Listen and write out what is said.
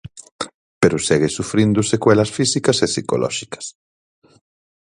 Pero segue sufrindo secuelas físicas e psicolóxicas.